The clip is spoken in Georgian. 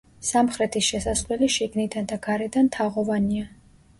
სამხრეთის შესასვლელი შიგნიდან და გარედან თაღოვანია.